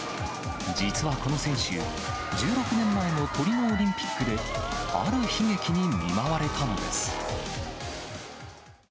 実はこの選手、１６年前のトリノオリンピックで、ある悲劇に見舞われたのです。